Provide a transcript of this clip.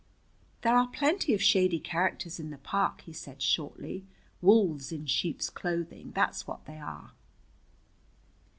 "There are plenty of shady characters in the park," he said shortly. "Wolves in sheep's clothing, that's what they are."